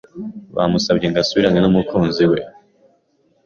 bamusabye ngo asubirane n’umukunzi we